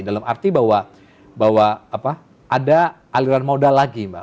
dalam arti bahwa ada aliran modal lagi mbak